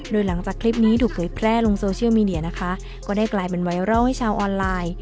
โดยหลังจากคลิปนี้ถูกเผยแพร่ลงโซเชียลมีเดียนะคะก็ได้กลายเป็นไวรัลให้ชาวออนไลน์